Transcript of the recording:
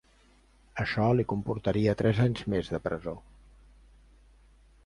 Això li comportaria tres anys més de presó.